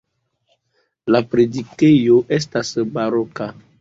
La predikejo estas baroka.